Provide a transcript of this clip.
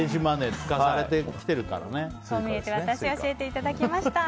こう見えてワタシ教えていただきました。